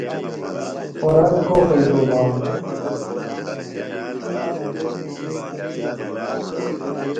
خوراک گو پیئدو بھانوۡ؟